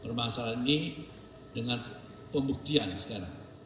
permasalahan ini dengan pembuktian yang sekarang